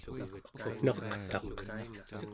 naqtaq